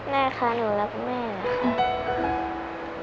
แม่ค่ะหนูรักแม่ค่ะ